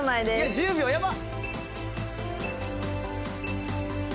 １０秒やばっ！